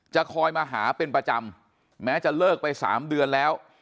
จะคอยมาหาเป็นประจำแม้จะเลิกไป๓เดือนแล้ว